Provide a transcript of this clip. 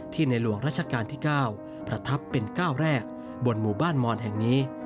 ในหลวงราชการที่๙ประทับเป็นก้าวแรกบนหมู่บ้านมอนแห่งนี้